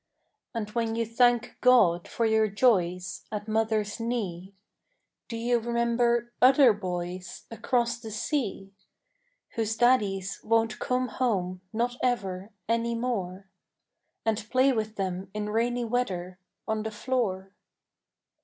And when you thank God for your joys At mother's knee, Do you remember other boys Across the sea, Whose daddies won't come home, not ever Any more, And play with them in rainy weather On the floor?